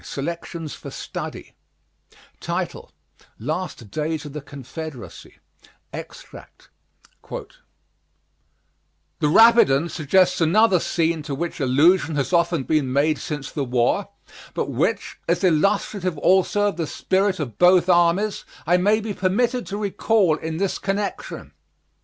SELECTIONS FOR STUDY LAST DAYS OF THE CONFEDERACY (Extract) The Rapidan suggests another scene to which allusion has often been made since the war, but which, as illustrative also of the spirit of both armies, I may be permitted to recall in this connection.